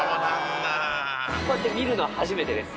こうやって見るのは初めてです。